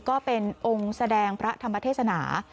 ก็เป็นองค์แสดงพระธรรมเทศนา